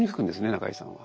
中井さんは。